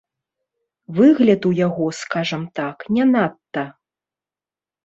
Выгляд у яго, скажам так, не надта.